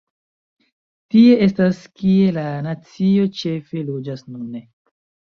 Tie estas kie la nacio ĉefe loĝas nune.